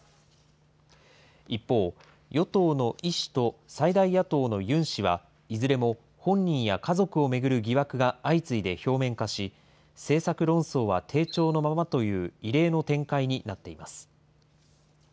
一方、与党のイ氏と最大野党のユン氏はいずれも本人や家族を巡る疑惑が相次いで表面化し、政策論争は低調のままという異例の展開になっています。